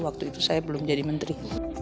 waktu itu saya belum jadi menteri